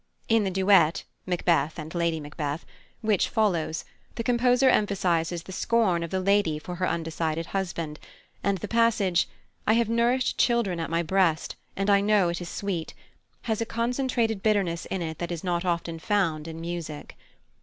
In the duet (Macbeth and Lady Macbeth) which follows, the composer emphasises the scorn of the lady for her undecided husband, and the passage, "I have nourished children at my breast, and I know it is sweet," has a concentrated bitterness in it that is not often found in music.